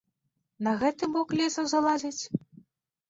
На гэты бок лесу залазяць?